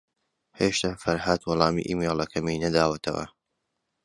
ھێشتا فەرھاد وەڵامی ئیمەیلەکەمی نەداوەتەوە.